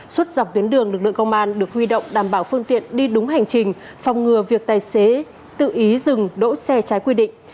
suốt dọc tuyến đường lực lượng công an được huy động đảm bảo phương tiện đi đúng hành trình phòng ngừa việc tài xế tự ý dừng đỗ xe trái quy định